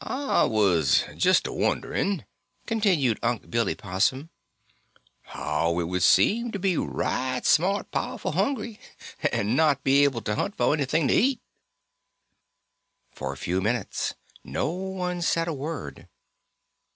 "Ah was just a wondering," continued Une' Billy Possum, "how it would seem to be right smart powerful hungry and not be able to hunt fo' anything to eat." For a few minutes no one said a word.